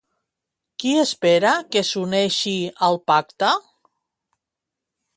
Qui espera que s'uneixi al pacte?